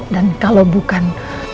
dan kalau bukan